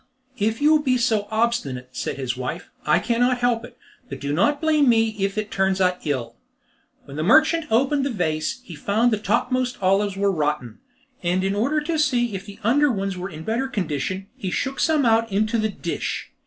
"If you will be so obstinate," said his wife, "I cannot help it; but do not blame me if it turns out ill." When the merchant opened the vase he found the topmost olives were rotten, and in order to see if the under ones were in better condition he shook some out into the dish.